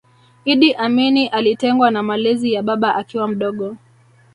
Iddi Amini alitengwa na malezi ya baba akiwa mdogo